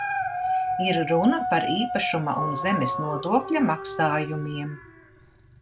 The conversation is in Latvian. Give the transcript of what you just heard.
Ir runa par īpašuma un zemes nodokļa maksājumiem.